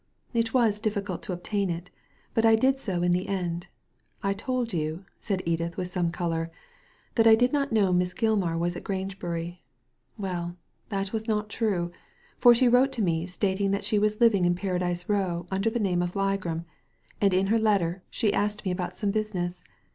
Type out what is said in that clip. " It was difficult to obtain it, but I did so in the end. I told you," said Edith, with some colour, " that I did not know Miss Gilmar was at Grange bury. Well, that was not true; for she wrote to me stating that she was living in Paradise Row under the name of Ligram, and in her letter she asked me about some business.